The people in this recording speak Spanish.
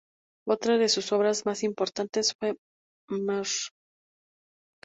Otra de sus obras más importantes fue "Mr.